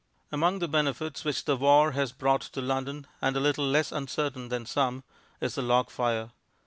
Among the benefits which the war has brought to London, and a little less uncertain than some, is the log fire.